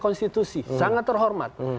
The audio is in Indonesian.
konstitusi sangat terhormat